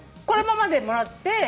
このままでもらって。